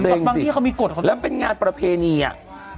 เซ็งแทนเขาเหมือนกันเนอะประเภณีอ่ะ